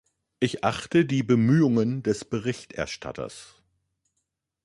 Ich achte die Bemühungen des Berichterstatters.